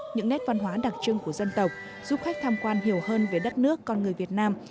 những nét văn hóa đặc trưng của dân tộc giúp khách tham quan hiểu hơn về đất nước con người việt nam